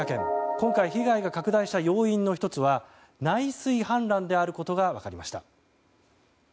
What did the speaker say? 今回、被害が拡大した要因の１つは内水氾濫であることが分かりました。